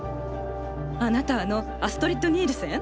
あなたあのアストリッド・ニールセン？